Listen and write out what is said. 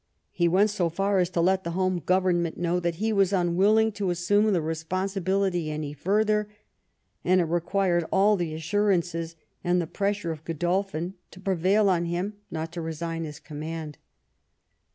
He went so far as to let the home government know that he was unwilling to assume the responsi bility any further, and it required all the assurances and the pressure of G^dolphin to prevail on him not to resign his command.